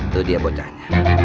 tuh dia bocanya